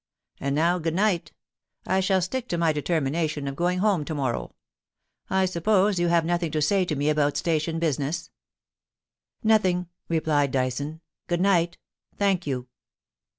And now good night ! I shall stick to my determina tion of going home to morrow. I suppose you have nothing to say to me about station business P * Nothing/ replied Dyson. * Good night ! Thank you.'